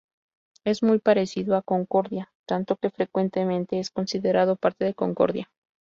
Es muy parecido a Concordia, tanto que frecuentemente es considerado parte de Concordia.